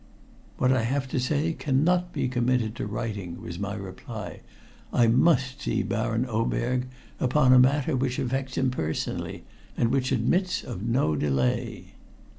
"What I have to say cannot be committed to writing," was my reply. "I must see Baron Oberg upon a matter which affects him personally, and which admits of no delay."